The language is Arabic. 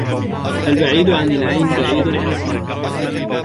البعيد عن العين بعيد عن القلب.